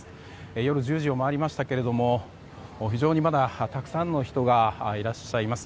夜１０時を回りましたけどまだ非常にたくさんの人がいらっしゃいます。